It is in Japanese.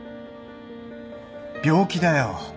病気だよ。